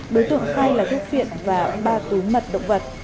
đối tượng khai là thuốc viện và ba túi mật động vật